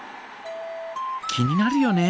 気になるよね。